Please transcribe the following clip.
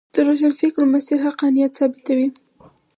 د روښانفکرو مسیر حقانیت ثابتوي.